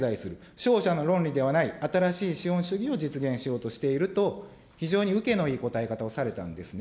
勝者の論理ではない新しい資本主義を実現しようとしていると、非常に受けのいい答え方をされたんですね。